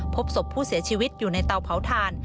พบศพผู้เสียชีวิตอยู่ในเตาเผาถ่าน